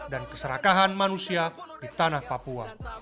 dan keserakahan manusia di tanah papua